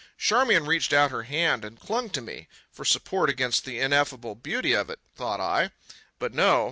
Charmian reached out her hand and clung to me—for support against the ineffable beauty of it, thought I. But no.